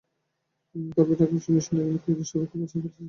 খবর পাইয়া রামকৃষ্ণ মিশনের কয়েকজন সেবকও আসিয়া পৌঁছিল।